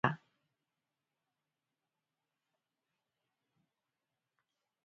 Ospitalerako egunean, lehenago ez bada.